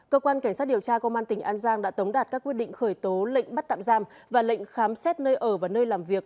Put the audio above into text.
cơ quan cảnh sát điều tra công an tỉnh an giang đã tống đạt các quyết định khởi tố lệnh bắt tạm giam và lệnh khám xét nơi ở và nơi làm việc